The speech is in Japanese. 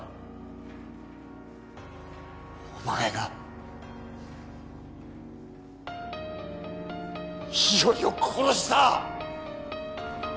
お前が日和を殺した！